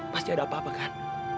pasti ada apa apa kan